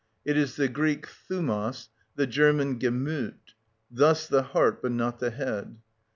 it is the Greek θυμος, the German "Gemüth," thus the heart but not the head.